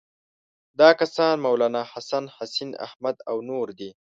دا کسان مولناحسن، حسین احمد او نور دي.